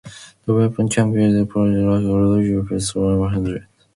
The weapon can be deployed like a regular pistol, one-handed.